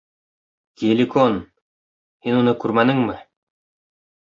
Геликон, һин уны күрмәнеңме?